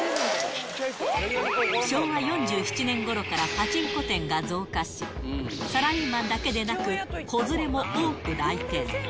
昭和４７年ごろからパチンコ店が増加し、サラリーマンだけでなく、子連れも多く来店。